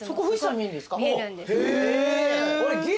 見えるんです。